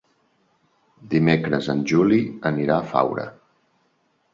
Dimecres en Juli anirà a Faura.